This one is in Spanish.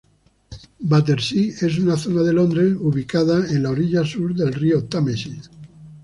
Battersea es una zona de Londres ubicada en la orilla sur del río Támesis.